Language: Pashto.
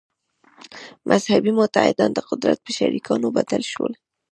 «مذهبي متحدان» د قدرت په شریکانو بدل شول.